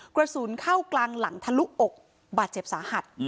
กระสุนเข้ากลางหลังทะลุอกบาดเจ็บสาหัส